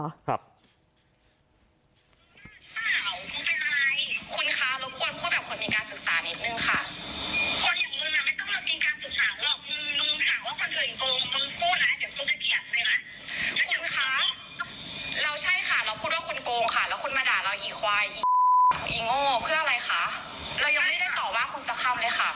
จะข้างลดนี้มันจะโกรธไว้ที่จะแค่๗๐๐ค่ะ